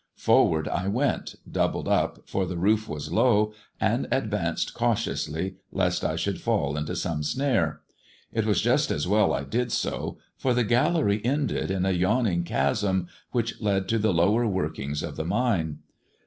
Forward I went, doubled up, for the roof was low, and advanced cautiously lest I should fall into some snare. It was just as well I did so, for the gallery ended in a yawning chasm, which led to the lower workings of the mine.